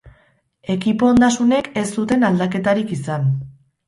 Ekipo ondasunek ez zuten aldaketarik izan.